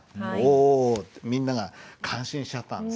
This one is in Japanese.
お」ってみんなが感心しちゃったんです。